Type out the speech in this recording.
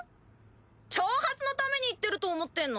挑発のために言ってると思ってんの？